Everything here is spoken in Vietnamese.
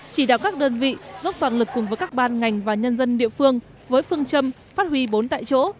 chỉ đạo các đơn vị dốc toàn lực cùng với các ban ngành và nhân dân địa phương với phương châm phát huy bốn tại chỗ